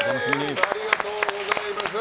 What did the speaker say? ありがとうございます。